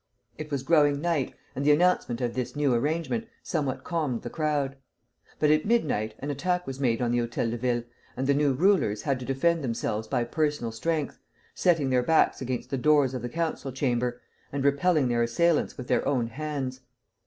It was growing night, and the announcement of this new arrangement somewhat calmed the crowd; but at midnight an attack was made on the Hôtel de Ville, and the new rulers had to defend themselves by personal strength, setting their backs against the doors of the Council Chamber, and repelling their assailants with their own hands.